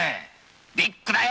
ビッグだよ。